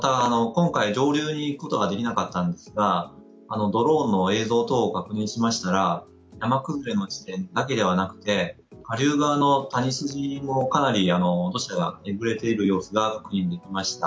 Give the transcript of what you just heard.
また、今回上流に行くことができなかったんですがドローンの映像等を確認しましたら山崩れの地点だけではなくて下流側の谷筋もえぐれている様子が確認できました。